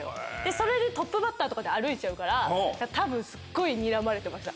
それでトップバッターとかで歩いちゃうから多分すっごいにらまれてました。